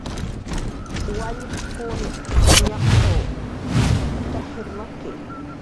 "Wallpkun ñaq'w t""ajir maki"